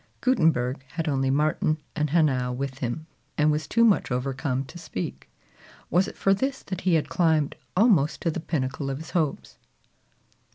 Gutenberg had only Martin and Hanau with him, and was too much overcome to speak. Was it for this that he had climbed almost to the pinnacle of his hopes?